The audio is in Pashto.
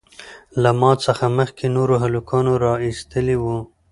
له ما څخه مخکې نورو هلکانو رااېستى وو.